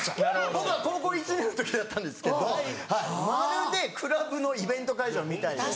僕が高校１年の時だったんですけどまるでクラブのイベント会場みたいで。